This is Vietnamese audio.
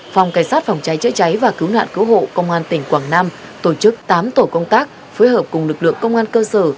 phòng cảnh sát phòng cháy chữa cháy và cứu nạn cứu hộ công an tỉnh quảng nam tổ chức tám tổ công tác phối hợp cùng lực lượng công an cơ sở